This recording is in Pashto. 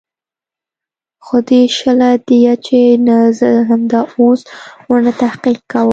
خو دى شله ديه چې نه زه همدا اوس ورنه تحقيق کوم.